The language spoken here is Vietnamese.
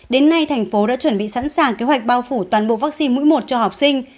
đến nay thành phố đã chuẩn bị sẵn sàng kế hoạch bao phủ toàn bộ vaccine mũi một cho học sinh